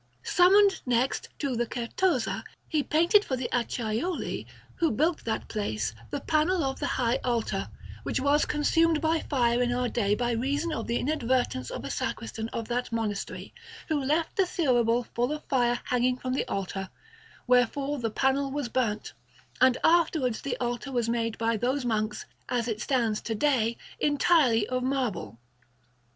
Summoned, next, to the Certosa, he painted for the Acciaiuoli, who built that place, the panel of the high altar, which was consumed by fire in our day by reason of the inadvertence of a sacristan of that monastery, who left the thurible full of fire hanging from the altar, wherefore the panel was burnt, and afterwards the altar was made by those monks, as it stands to day, entirely of marble.